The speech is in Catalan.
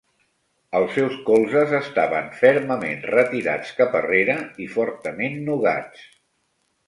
Els seus colzes estaven fermament retirats cap arrere i fortament nugats.